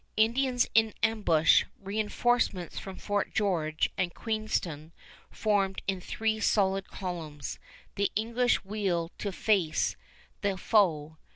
Indians in ambush, reënforcements from Fort George and Queenston formed in three solid columns, the English wheel to face the foe.